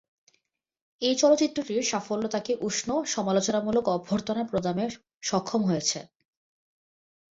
এই চলচ্চিত্রটির সাফল্য তাঁকে উষ্ণ সমালোচনামূলক অভ্যর্থনা প্রদানে সক্ষম হয়েছে।